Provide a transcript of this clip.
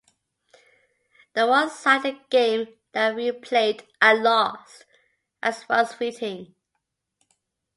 The one-sided game that we played I lost, as was fitting.